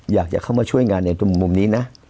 อยากจะเข้ามาช่วยงานในมุมนี้นะ